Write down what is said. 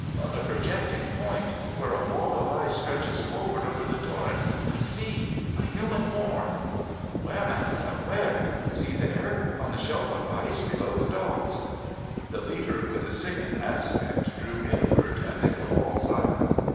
On a projecting point, where a wall of ice stretches forward over the torrent, I see a human form !'' Where, ma'amselle, where ?'* See, there ! On the shelf of ice below the dogs !' The leader, with a sickened aspect, drew inward, and they were all silent.